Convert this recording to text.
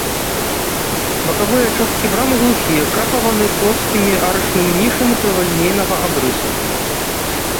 Бакавыя часткі брамы глухія, крапаваны плоскімі арачнымі нішамі крывалінейнага абрысу.